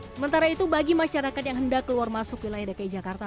sementara itu bagi masyarakat yang hendak keluar masuk wilayah dki jakarta